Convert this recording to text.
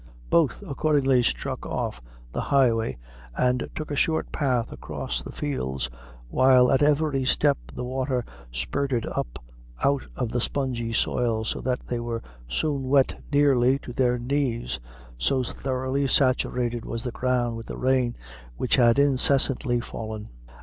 Both accordingly struck off the highway, and took a short path across the fields, while at every step the water spurted up out of the spongy soil, so that they were soon wet nearly to their knees, so thoroughly saturated was the ground with the rain which had incessantly fallen.